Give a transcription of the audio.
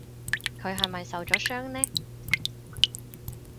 佢係咪受咗傷呢？